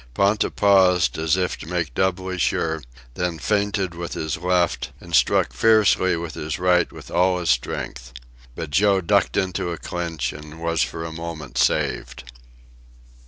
Ponta paused, as if to make doubly sure, then feinted with his left and struck fiercely with his right with all his strength. But Joe ducked into a clinch and was for a moment saved.